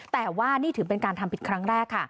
แต่ว่านี่ถือเป็นการทำผิดครั้งแรกค่ะ